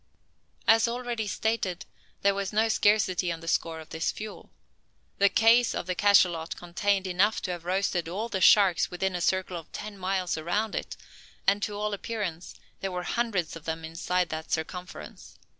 As already stated, there was no scarcity on the score of this fuel. The "case" of the cachalot contained enough to have roasted all the sharks within a circle of ten mile around it; and, to all appearance, there were hundreds of them inside that circumference.